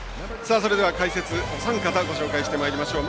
それでは解説、お三方ご紹介してまいりましょう。